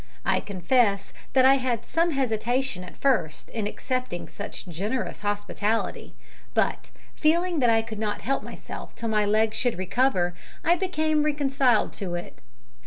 I confess that I had some hesitation at first in accepting such generous hospitality, but, feeling that I could not help myself till my leg should recover, I became reconciled to it.